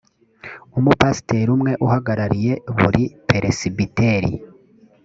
umupasiteri umwe uhagarariye buri peresibiteri